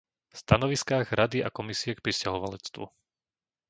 stanoviskách Rady a Komisie k prisťahovalectvu,